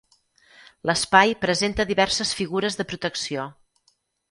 L’espai presenta diverses figures de protecció.